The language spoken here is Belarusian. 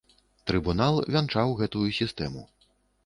Трыбунал вянчаў гэтую сістэму.